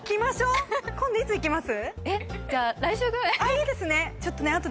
いいですね。